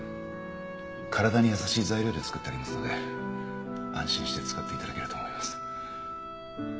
体に優しい材料で作ってありますので安心して使って頂けると思います。